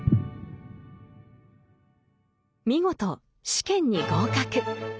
見事試験に合格。